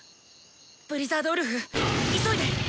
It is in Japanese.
ブリザードウルフ急いで！